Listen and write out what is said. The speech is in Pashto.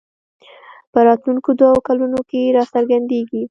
په راتلونکو دوو کلونو کې راڅرګندېږي